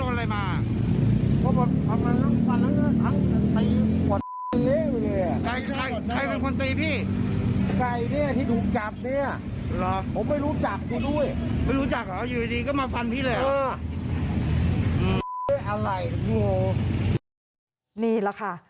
นี่แหละค่ะ